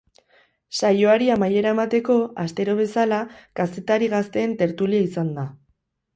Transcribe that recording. Saioari amaiera emateko, astero bezala, kazetari gazteen tertulia izan da.